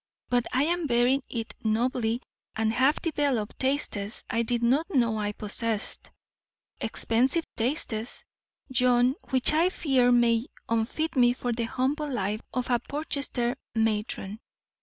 But I am bearing it nobly and have developed tastes I did not know I possessed; expensive tastes, John, which I fear may unfit me for the humble life of a Portchester matron.